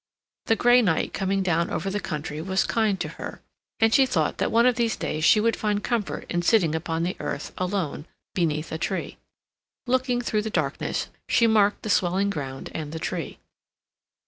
The gray night coming down over the country was kind to her; and she thought that one of these days she would find comfort in sitting upon the earth, alone, beneath a tree. Looking through the darkness, she marked the swelling ground and the tree.